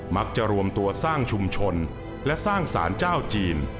มักจะรวมตัวสร้างชุมชนและสร้างสารเจ้าจีน